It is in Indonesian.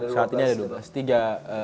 saat ini ada dua belas tiga